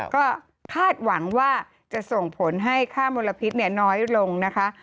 ก็คาดหวังว่าจะส่งผลให้ค่ามลพิษน้อยลงนะคะ